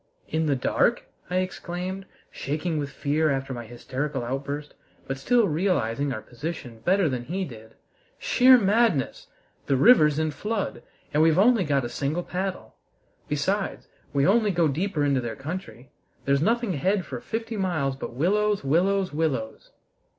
"In the dark?" I exclaimed, shaking with fear after my hysterical outburst, but still realizing our position better than he did. "Sheer madness! The river's in flood, and we've only got a single paddle. Besides, we only go deeper into their country! There's nothing ahead for fifty miles but willows, willows, willows!"